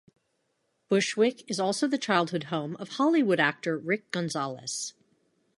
Bushwick is also the childhood home of Hollywood actor Rick Gonzalez.